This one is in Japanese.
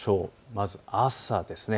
まず朝です。